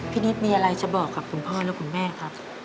นิดมีอะไรจะบอกกับคุณพ่อและคุณแม่ครับ